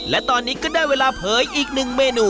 และตอนนี้ก็ได้เวลาเผยอีกหนึ่งเมนู